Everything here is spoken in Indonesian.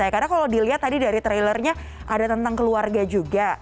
karena kalau dilihat tadi dari trailernya ada tentang keluarga juga